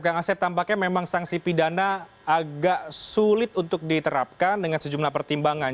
kang asep tampaknya memang sanksi pidana agak sulit untuk diterapkan dengan sejumlah pertimbangan